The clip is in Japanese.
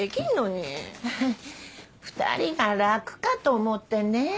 フフ２人が楽かと思ってね。